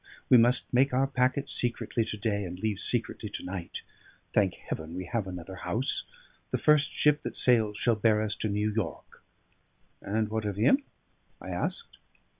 "We must make our packets secretly to day, and leave secretly to night. Thank Heaven, we have another house! The first ship that sails shall bear us to New York." "And what of him?" I asked.